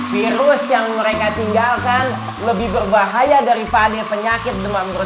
virus yang mereka tinggalkan lebih berbahaya daripada penyakit demam berda